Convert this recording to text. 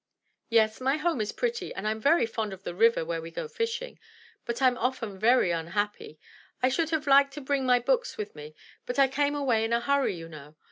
"Yes, my home is pretty, and Fm very fond of the river where we go fishing, but Fm often very unhappy. I should have liked to bring my books with me, but I came away in a hurry you know.